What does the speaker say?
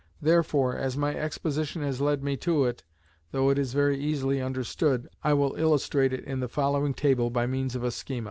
Therefore, as my exposition has led me to it, though it is very easily understood, I will illustrate it in the following table by means of a schema.